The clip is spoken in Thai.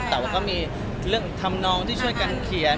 แต่ว่าก็มีเรื่องทำนองที่ช่วยกันเขียน